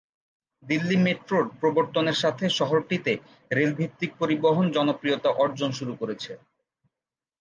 দিল্লি মেট্রোর প্রবর্তনের সাথে শহরটিতে রেল ভিত্তিক পরিবহন জনপ্রিয়তা অর্জন শুরু করেছে।